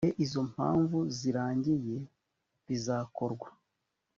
igihe izo mpamvu zirangiriye bizakorwa